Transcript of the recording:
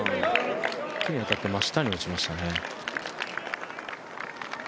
木に当たって真下に落ちましたね。